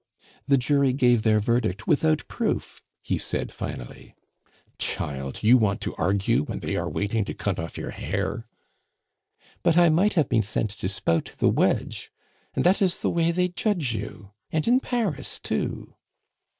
"The jury gave their verdict without proof," he said finally. "Child! you want to argue when they are waiting to cut off your hair " "But I might have been sent to spout the wedge. And that is the way they judge you! and in Paris too!"